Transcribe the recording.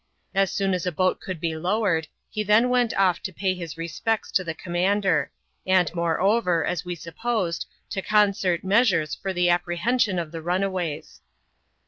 As soon as a boat could be lowered, he then went off to pay his respects to the commander, and, moreover, as we supposed, to concert measures for the apprehension of the runaways.